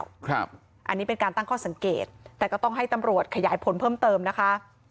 อันนี้เป็นการตั้งข้อสังเกตแต่ก็ต้องให้ตำรวจขยายผลเพิ่มเติมนะคะ